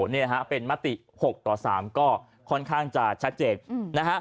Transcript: เนี่ยฮะเป็นมติหกต่อสามก็ค่อนข้างจะชัดเจนอืมนะฮะ